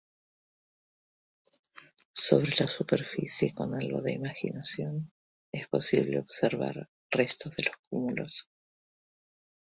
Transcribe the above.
Sobre la superficie, con algo de imaginación, es posible observar restos de los túmulos.